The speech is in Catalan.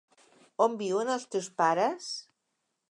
On viuen els teus pares?